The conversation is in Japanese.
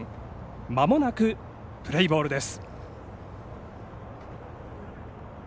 まもなくプレーボールです。